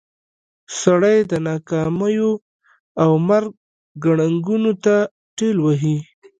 سړی د ناکاميو او مرګ ګړنګونو ته ټېل وهي.